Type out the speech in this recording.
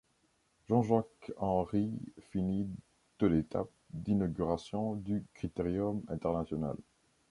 Jean-Jacques Henry finit de l'étape d'inauguration du Critérium international.